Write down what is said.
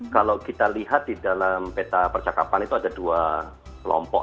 kalau kita lihat di dalam peta percakapan itu ada dua kelompok